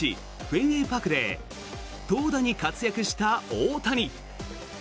フェンウェイパークで投打に活躍した大谷。